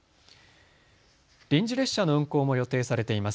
臨時列車の運行も予定されています。